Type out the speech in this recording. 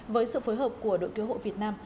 với sự phối hợp của đội cứu hộ việt nam